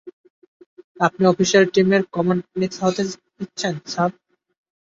আপনি অফিসিয়ালি টিমের কমান্ড হাতে নিচ্ছেন, স্যার?